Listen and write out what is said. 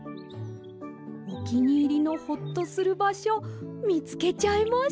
おきにいりのホッとするばしょみつけちゃいました。